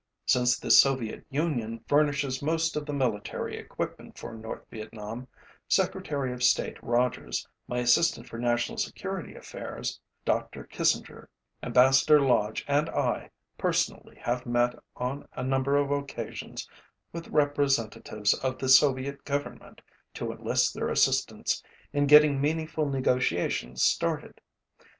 Since the Soviet Union furnishes most of the military equipment for North Vietnam, Secretary of State Rogers, my assistant for national security affairs, Dr. Kissinger, Ambassador Lodge and I personally have met on a number of occasions with representatives of the Soviet Government to enlist their assistance in getting meaningful negotiations started.